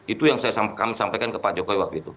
itu yang kami sampaikan ke pak jokowi waktu itu